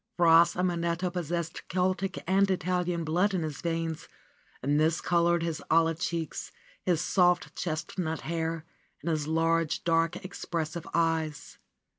Fra Simonetta possessed Celtic and Italian blood in his veins, and this colored his olive cheeks, his soft chest nut hair and his large, dark, expressive eyes.